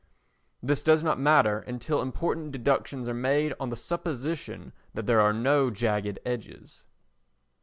This does not matter until important deductions are made on the supposition that there are no jagged edges.